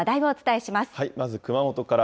まず熊本から。